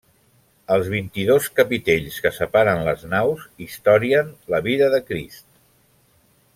Els vint-i-dos capitells que separen les naus historien la vida de Crist.